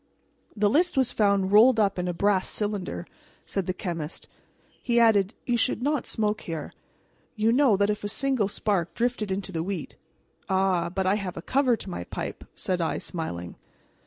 "The list was found rolled up in a brass cylinder," said the chemist. He added: "You should not smoke here. You know that if a single spark drifted into the wheat " "Ah, but I have a cover to my pipe," said I, smiling.